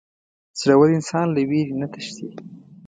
• زړور انسان له وېرې نه تښتي.